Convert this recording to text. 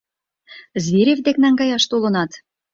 Зверев дек наҥгаяш толынат?